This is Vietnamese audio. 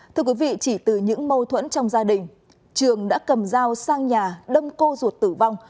thưa quý vị chỉ từ những mâu thuẫn trong gia đình trường đã cầm dao sang nhà đâm cô ruột tử vong